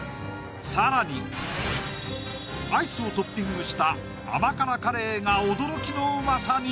更にアイスをトッピングした甘辛カレーが驚きのうまさに！